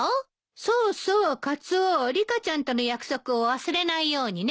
そうそうカツオリカちゃんとの約束を忘れないようにね。